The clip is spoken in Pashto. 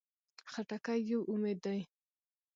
خټکی یو امید دی.